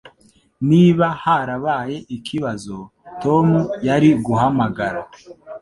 Niba harabaye ikibazo, Tom yari guhamagara.